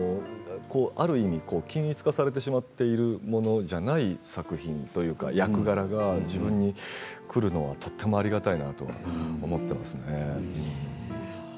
ある意味、均一化されてしまっているものじゃない作品というか役柄が自分にくるのはとてもありがたいなと思っていますね。